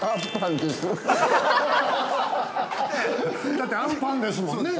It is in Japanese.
◆だって、あんパンですもんね。